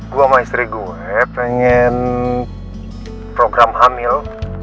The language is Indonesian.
gue sama istri gue pengen program hamil